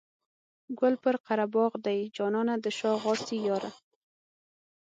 ګل پر قره باغ دی جانانه د شا غاسي یاره.